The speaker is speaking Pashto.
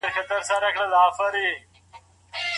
وترنري پوهنځۍ سمدلاسه نه تطبیقیږي.